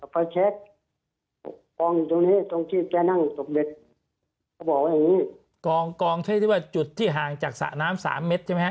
ตรงที่แจนั่งตบเบ็ดเขาบอกว่าอย่างงี้กองกองใช้ที่ว่าจุดที่ห่างจากสระน้ำสามเม็ดใช่ไหมฮะ